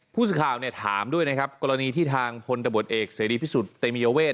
ผู้สืบข่าวถามด้วยกรณีที่ทางพลตะบดเอกเสรีพิสุทธิ์เตมีโยเวท